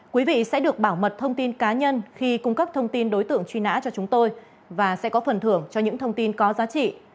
quý vị sẽ được bảo mật thông tin cá nhân khi cung cấp thông tin đối tượng truy nã cho chúng tôi và sẽ có phần thưởng cho những thông tin có giá trị